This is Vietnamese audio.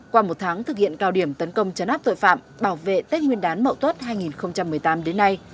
qua một tháng thực hiện cao điểm tấn công chấn áp tội phạm bảo vệ tết nguyên đán mậu tuất hai nghìn một mươi tám đến nay